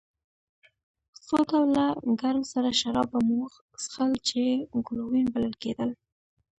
څو ډوله ګرم سره شراب به مو څښل چې ګلووېن بلل کېدل.